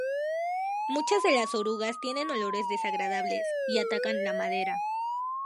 Muchas de las orugas tienen olores desagradables; y atacan la madera.